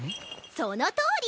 そのとおり！